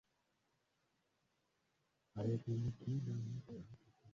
Tujipange kesho tufike mapema